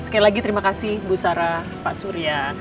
sekali lagi terima kasih bu sarah pak surya